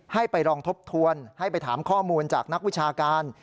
ให้ไปลองทบทวนให้ไปถามข้อมูลจากนักวิชาการ